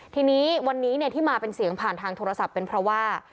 ทีนี้วันนี้ที่มาเป็นเสียงผ่านทางโทรศัพท์เป็นเพราะว่า